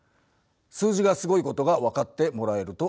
数字がすごいことが分かってもらえると思う。